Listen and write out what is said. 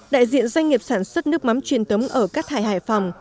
đại diện doanh nghiệp sản xuất nước mắm truyền thống ở cát hải hải phòng